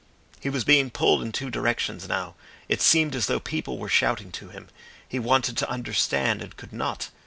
He was being pulled in two directions now. It seemed as though people were shouting to him. He wanted to understand and could not.